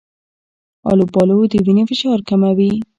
آلوبالو د وینې فشار کموي.